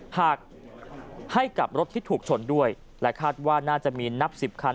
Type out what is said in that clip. หากให้กับรถที่ถูกชนด้วยและคาดว่าน่าจะมีนับ๑๐คัน